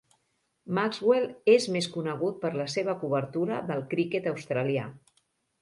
Maxwell és més conegut per la seva cobertura del criquet australià.